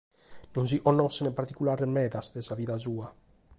Non si connoschent particulares medas de sa vida sua.